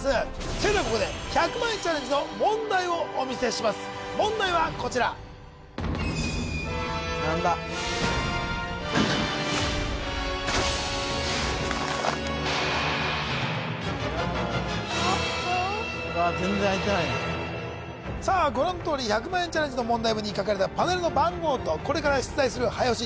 それではここで１００万円チャレンジの問題をお見せします問題はこちらご覧のとおり１００万円チャレンジの問題文に書かれたパネルの問題とこれから出題する早押し